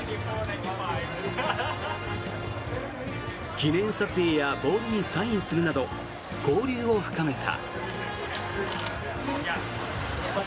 記念撮影やボールにサインするなど交流を深めた。